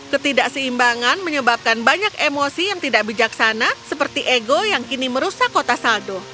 ketidakseimbangan menyebabkan banyak emosi yang tidak bijaksana seperti ego yang kini merusak kota saldo